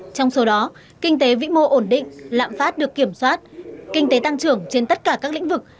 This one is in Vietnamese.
trong số đó kinh tế vĩ mô ổn định lạm phát được kiểm soát kinh tế tăng trưởng trên tất cả các lĩnh vực